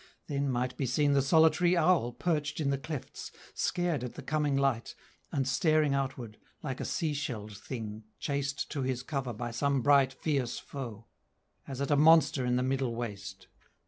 Then might be seen the solitary owl Perched in the clefts, scared at the coming light, And staring outward (like a sea shelled thing Chased to his cover by some bright, fierce foe), As at a monster in the middle waste.